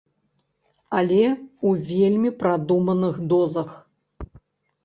Але ў вельмі прадуманых дозах.